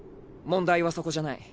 問題はそこじゃない。